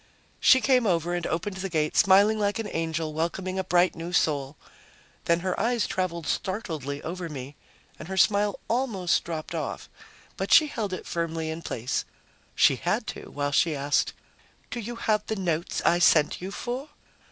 She came over and opened the gate, smiling like an angel welcoming a bright new soul. Then her eyes traveled startledly over me and her smile almost dropped off. But she held it firmly in place. She had to, while she asked, "Do you have the notes I sent you for?"